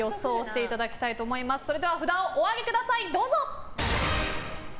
それでは札をお上げください。